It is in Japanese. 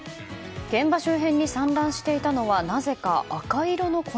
現場周辺に散乱していたのはなぜか赤色の粉。